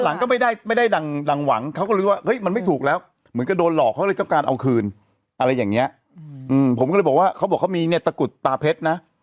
อะไรอย่างเนี้ยอืมผมก็เลยบอกว่าเขาบอกเขามีเนี้ยตะกรุดตาเพชรนะ